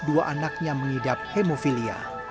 dua anaknya mengidap hemofilia